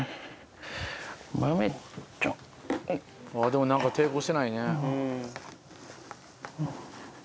でも何か抵抗してないね。